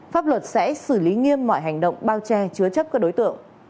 pháp luật sẽ xử lý nghiêm mọi hành động bao che chứa chấp các đối tượng